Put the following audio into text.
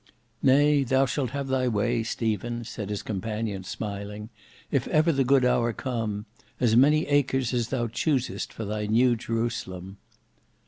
"Nay, thou shalt have thy way, Stephen," said his companion, smiling, "if ever the good hour come. As many acres as thou choosest for thy new Jerusalem."